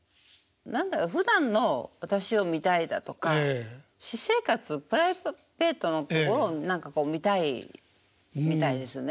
何だろうふだんの私を見たいだとか私生活プライベートのところを何かこう見たいみたいですね。